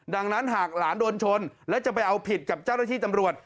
ดังนั้นหากหลานโดนชนและจะไปเอาผิดกับเจ้าหน้าที่ตำรวจ